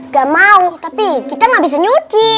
gak mau tapi kita nggak bisa nyuci